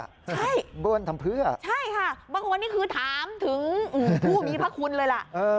ใช่ค่ะเบิ้ลทำเพื่อบางคนก็คือถามถึงภูมิพระคุณเลยล่ะ